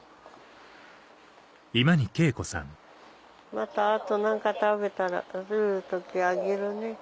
また後何か食べる時あげるね。